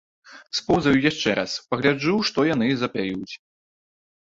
Споўзаю яшчэ раз, пагляджу, што яны запяюць.